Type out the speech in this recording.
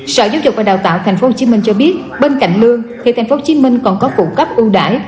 sở giáo dục và đào tạo tp hcm cho biết bên cạnh lương thì tp hcm còn có phụ cấp ưu đải